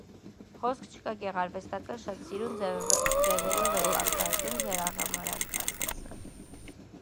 - Խոսք չկա, գեղարվեստական շատ սիրուն ձևերով եք արտահայտում ձեր արհամարհանքը,- ասաց նա: